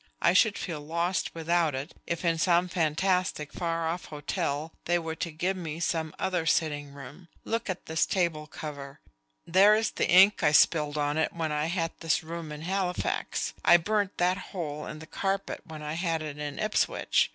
I should feel lost without it if, in some fantastic, far off hotel, they were to give me some other sitting room. Look at this table cover; there is the ink I spilled on it when I had this room in Halifax. I burnt that hole in the carpet when I had it in Ipswich.